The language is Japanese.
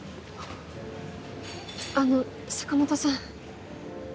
あの坂本さん。